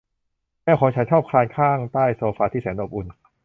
แมวของฉันชอบคลานข้างใต้โซฟาที่แสนอบอุ่น